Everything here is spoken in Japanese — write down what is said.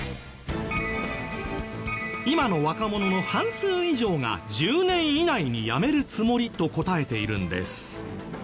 今の若者の半数以上が１０年以内に辞めるつもりと答えているんです。